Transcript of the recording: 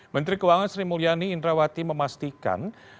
menteri keuangan sri mulyani indrawati memastikan